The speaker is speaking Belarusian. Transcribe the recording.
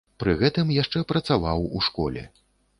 Пры гэтым яшчэ працаваў у школе.